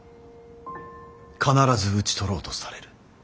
必ず討ち取ろうとされる。